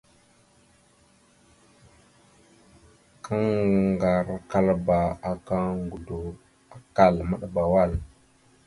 Kaŋgarəkaləba aka ŋgədo, akkal, maɗəba wal.